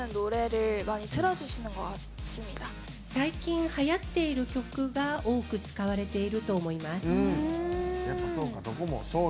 最近はやっている曲が多く使われていると思います。